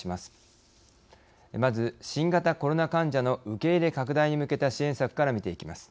まず新型コロナ患者の受け入れ拡大に向けた支援策から見ていきます。